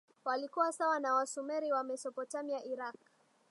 walikuwa sawa na Wasumeri wa Mesopotamia Iraq